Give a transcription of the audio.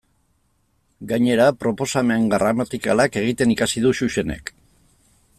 Gainera, proposamen gramatikalak egiten ikasi du Xuxenek.